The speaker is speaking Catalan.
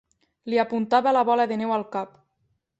Li apuntava la bola de neu al cap.